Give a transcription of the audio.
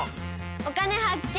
「お金発見」。